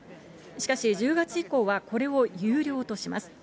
しかし、１０月以降はこれを有料とします。